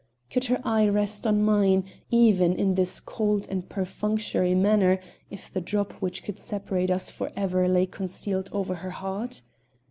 Could her eye rest on mine, even in this cold and perfunctory manner, if the drop which could separate us for ever lay concealed over her heart?